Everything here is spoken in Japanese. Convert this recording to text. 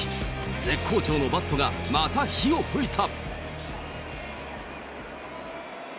絶好調のバットがまた火をふいた。